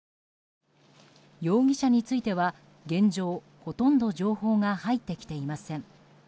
容疑者については現状ほとんど情報が入ってきていません。